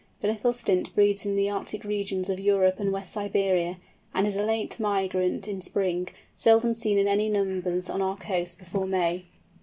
The Little Stint breeds in the Arctic regions of Europe and West Siberia, and is a late migrant in spring, seldom seen in any numbers on our coasts before May.